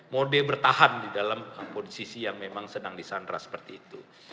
mode bertahan di dalam posisi yang memang sedang disandra seperti itu